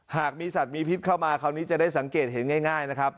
หากมีสัตว์มีพิษเข้ามาคราวนี้จะได้สังเกตเห็นง่ายนะครับ